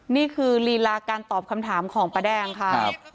นี่คือลีลาการตอบคำถามของป้าแดงค่ะ